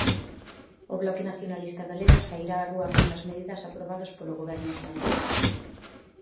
O Bloque Nacionalista Galego sairá á rúa contra as medidas aprobadas polo goberno español.